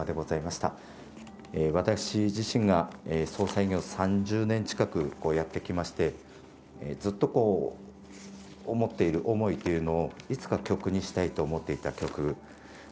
私自身が葬祭業を３０年近くやってきましてずっとこう思っている思いというのをいつか曲にしたいと思っていた曲があります。